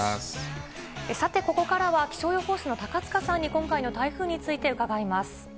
さて、ここからは気象予報士の高塚さんに今回の台風について伺います。